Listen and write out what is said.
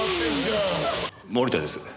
森田です。